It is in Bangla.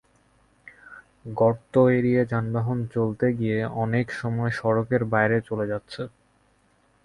গর্ত এড়িয়ে যানবাহন চলতে গিয়ে অনেক সময় সড়কের বাইরে চলে যাচ্ছে।